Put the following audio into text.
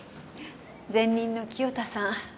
前任の清田さん